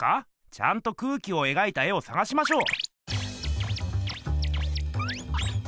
ちゃんと空気を描いた絵をさがしましょう。